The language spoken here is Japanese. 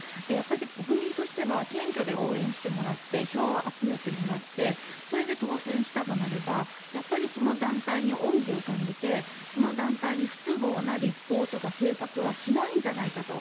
国民としては選挙で応援してもらって票を集めてもらってそれで当選したとなればその団体に恩義を感じてその団体に不都合な立法とか政策はしないんじゃないかと。